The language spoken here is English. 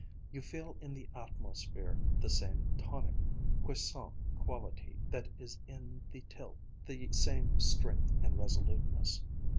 You feel in the atmosphere the same tonic, puissant quality that is in the tilth, the same strength and resoluteness.